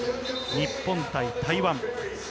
日本対台湾。